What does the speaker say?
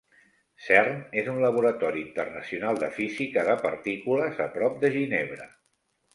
Cern és un laboratori internacional de física de partícules a prop de Ginebra.